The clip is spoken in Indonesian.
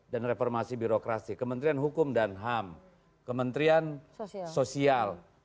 dan reformasi birokrasi kementerian hukum dan ham kementerian sosial